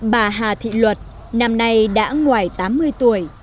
bà hà thị luật năm nay đã ngoài tám mươi tuổi